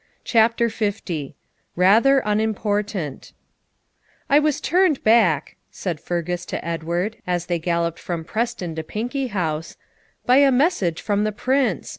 CHAPTER L RATHER UNIMPORTANT 'I was turned back,' said Fergus to Edward, as they galloped from Preston to Pinkie House, 'by a message from the Prince.